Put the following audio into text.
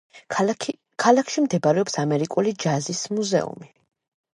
ქალაქში მდებარეობს ამერიკული ჯაზის მუზეუმი.